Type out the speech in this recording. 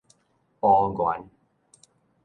埔源